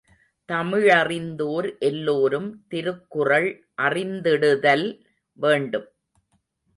தமிழறிந்தோர் எல்லோரும் திருக்குறள் அறிந்திடுதல் வேண்டும்.